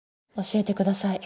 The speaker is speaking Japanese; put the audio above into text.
「教えてください。